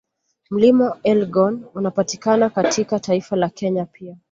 Mlima Elgoni unapatiakana katika taifa la Kenya pia